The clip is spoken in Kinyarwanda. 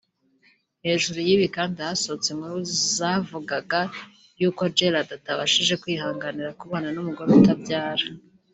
Hejuru y’ibi kandi hasohotse inkuru zavugaga y’uko Gerald atabashije kwihanganira kubana n’umugore utabyara